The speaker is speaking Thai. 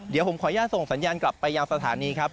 เดี๋ยวผมขออนุญาตส่งสัญญาณกลับไปยังสถานีครับ